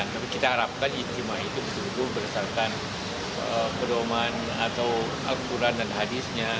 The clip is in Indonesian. tapi kita harapkan istimewa itu betul betul berdasarkan kedoman atau akuran dan hadisnya